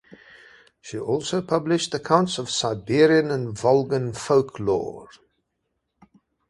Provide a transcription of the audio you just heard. She also published accounts of Siberian and Volgan folklore.